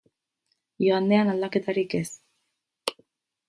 Igandean, aldaketarik ez.